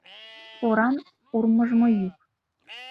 Поран урмыжмо йӱк.